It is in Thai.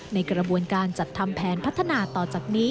ในกระบวนการจัดทำแผนพัฒนาต่อจากนี้